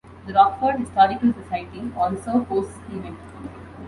The Rockford Historical Society also hosts events.